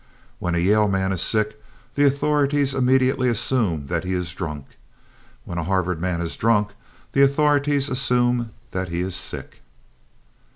"When a Yale man is sick, the authorities immediately assume that he is drunk. When a Harvard man is drunk, the authorities assume that he is sick."